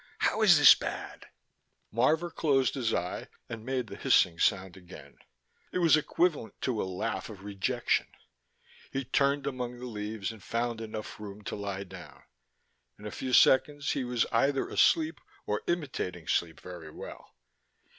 How is this bad?" Marvor closed his eye and made the hissing sound again; it was equivalent to a laugh of rejection. He turned among the leaves and found enough room to lie down: in a few seconds he was either asleep or imitating sleep very well.